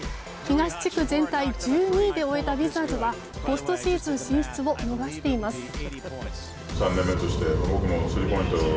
東地区全体１２位で終えたウィザーズはポストシーズン進出を逃しています。